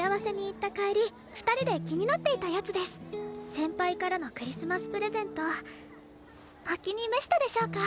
先輩からのクリスマスプレゼントお気に召したでしょうか？